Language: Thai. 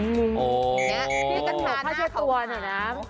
มีกันหกผ้าเช็ดตัวนะครับ